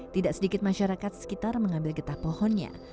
tidak sedikit masyarakat sekitar mengambil getah pohonnya